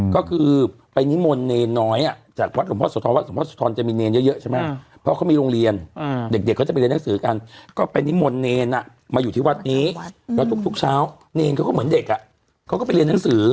ก็คือไปนิมนต์เนรน้อยจากวัดหลวงพ่อโสธรวัดหลวงพ่อสุธรจะมีเนรเยอะใช่ไหมเพราะเขามีโรงเรียนเด็กเขาจะไปเรียนหนังสือกันก็ไปนิมนต์เนรมาอยู่ที่วัดนี้แล้วทุกเช้าเนรเขาก็เหมือนเด็กอ่ะเขาก็ไปเรียนหนังสือ